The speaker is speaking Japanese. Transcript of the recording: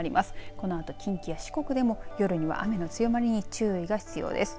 このあと近畿や四国でも夜には雨の強まりに注意が必要です。